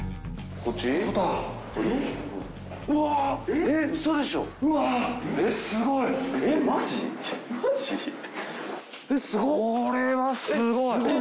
これはすごい。